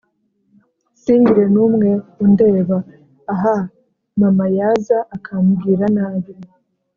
singire n` umwe undeba ah mama yaza akambwira nabi